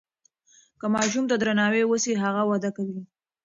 که ماشوم ته درناوی وسي هغه وده کوي.